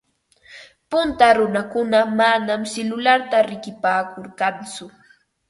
Punta runakuna manam silularta riqipaakurqatsu.